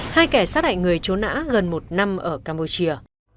hai kẻ sát hại người trốn nã gần một năm ở campuchia